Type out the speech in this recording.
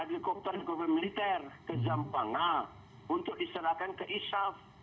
helikopter militer ke jambang untuk diserahkan ke isaf